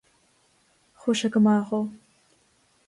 Chuaigh sé go maith dó.